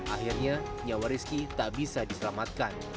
akhirnya nyawa rizky tak bisa diselamatkan